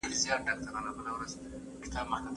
عمر په لاره کې له چا سره ولیدل؟